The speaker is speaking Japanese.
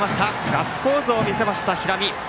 ガッツポーズを見せました、平見。